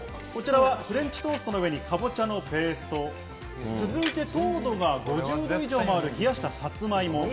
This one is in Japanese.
こちらはフレンチトーストの上にかぼちゃのペースト、続いて、糖度が５０度以上もある冷やしたさつまいも。